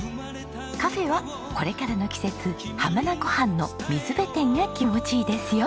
カフェはこれからの季節浜名湖畔の水辺店が気持ちいいですよ。